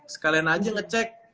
sekalian aja ngecek